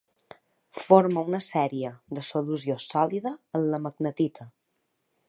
Forma una sèrie de solució sòlida amb la magnetita.